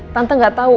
tante gak tau